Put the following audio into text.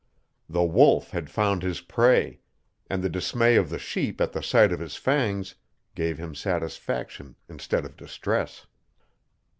The Wolf had found his prey, and the dismay of the sheep at the sight of his fangs gave him satisfaction instead of distress.